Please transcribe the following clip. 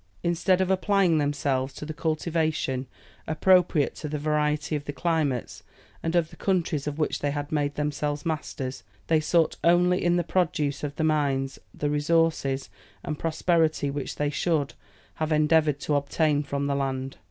Instead of applying themselves to the cultivation appropriate to the variety of the climates and of the countries of which they had made themselves masters, they sought only in the produce of the mines the resources and prosperity which they should have endeavoured to obtain from the land.